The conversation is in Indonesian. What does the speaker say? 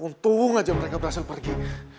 untung aja mereka berhasil pergi